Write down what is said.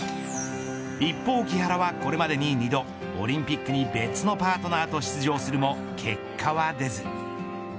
一方、木原はこれまでに２度オリンピックに別のパートナーと出場するも結果は出ず。